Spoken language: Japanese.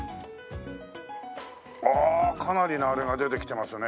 わあかなりのあれが出てきてますね。